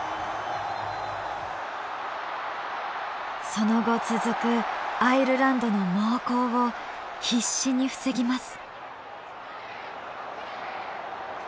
その後続くアイルランドの猛攻を必死に防ぎます。